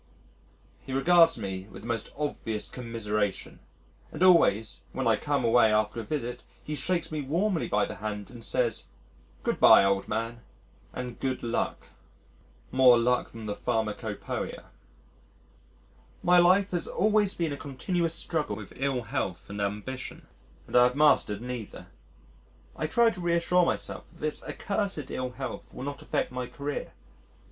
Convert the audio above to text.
He regards me with the most obvious commiseration and always when I come away after a visit he shakes me warmly by the hand and says, "Good bye, old man, and good luck." More luck than the pharmacopœia. My life has always been a continuous struggle with ill health and ambition, and I have mastered neither. I try to reassure myself that this accursed ill health will not affect my career.